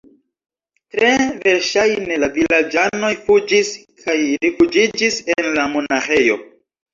Tre verŝajne la vilaĝanoj fuĝis kaj rifuĝiĝis en la monaĥejo.